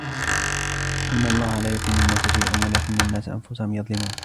إِنَّ اللَّهَ لَا يَظْلِمُ النَّاسَ شَيْئًا وَلَكِنَّ النَّاسَ أَنْفُسَهُمْ يَظْلِمُونَ